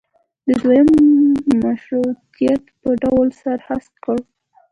د دویم مشروطیت په ډول سر هسک کړ.